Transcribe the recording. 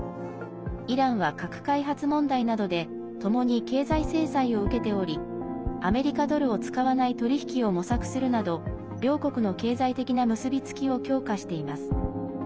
イランは核開発問題などでともに経済制裁を受けておりアメリカドルを使わない取り引きを模索するなど両国の経済的な結びつきを強化しています。